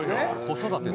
子育て。